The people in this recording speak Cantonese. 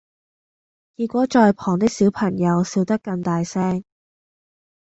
結果在旁的小朋友笑得更大聲！